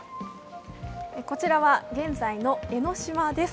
こちらは現在の江の島です。